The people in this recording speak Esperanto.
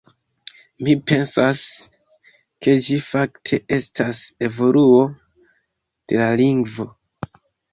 Mi pensas, ke ĝi fakte estas evoluo de la lingvo.